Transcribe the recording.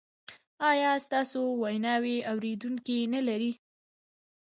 ایا ستاسو ویناوې اوریدونکي نلري؟